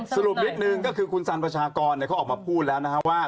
สรุปนิดนึงก็คือคุณสันประชากรเขาออกมาพูดแล้วนะครับว่า